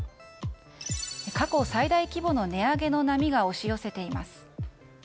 過去最大規模の値上げの波が押し寄せています。